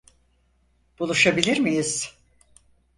Buluşabilir miyiz?